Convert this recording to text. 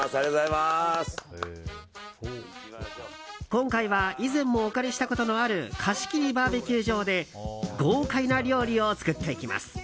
今回は以前もお借りしたことのある貸し切りバーベキュー場で豪快な料理を作っていきます。